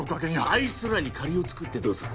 あいつらに借りを作ってどうする。